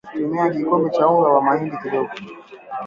tumia kikombe cha unga wa mahindi kidogo